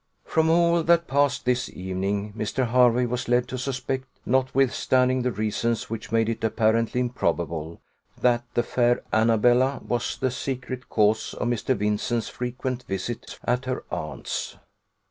From all that passed this evening, Mr. Hervey was led to suspect, notwithstanding the reasons which made it apparently improbable, that the fair Annabella was the secret cause of Mr. Vincent's frequent visits at her aunt's.